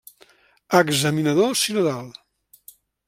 Examinador sinodal.